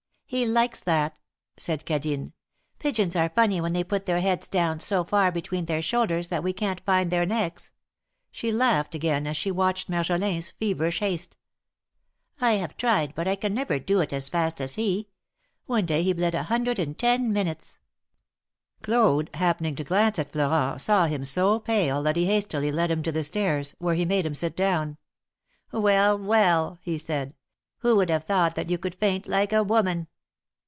"He likes that!" said Cadine. "Pigeons are funny when they put their heads down so far between their shoulders that we can't find their necks." She laughed again as she watched Marjolin's feverish haste. " I have tried, but I can never do it as fast as he. One day he bled a hundred in ten minutes." 18 286 THE MAKKETS OP PARIS. Claude, happening to glance at Florent, saw him so pale that he hastily led him to the stairs, where he made him sit down. Well ! well ! he said, who would have thought that you could faint like a woman